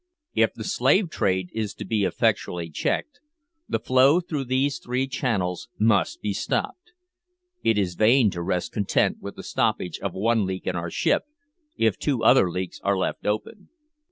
If the slave trade is to be effectually checked, the flow through these three channels must be stopped. It is vain to rest content with the stoppage of one leak in our ship if two other leaks are left open.